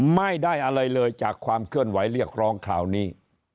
ไม่ได้อะไรเลยจากความเคลื่อนไหวเรียกร้องคราวนี้